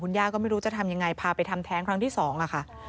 ย่าก็ไม่รู้จะทำยังไงพาไปทำแท้งครั้งที่๒ค่ะ